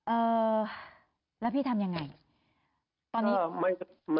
เอ้อและพี่ทำอย่างไร